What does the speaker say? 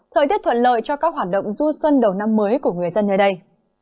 thời tiết thuận lợi cho các hoạt động du xuân đầu năm mới của người dân nơi đây